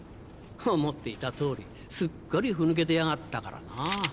思っていた通りすっかりふ抜けてやがったからなぁ。